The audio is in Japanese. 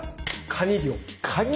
カニ漁？